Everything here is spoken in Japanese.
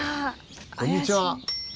こんにちは！